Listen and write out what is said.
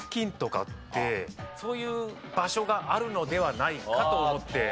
そういう場所があるのではないかと思って。